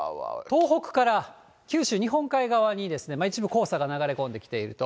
東北から九州、日本海側に一部、黄砂が流れ込んできていると。